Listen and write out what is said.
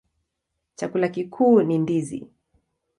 Chakula kikuu ni ndizi.